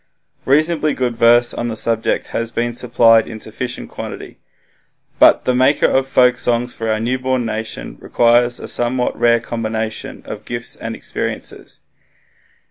Reasonably good verse on the subject has been supplied in sufficient quantity. But the maker of folksongs for our newborn nation requires a somewhat rare combination of gifts and experiences.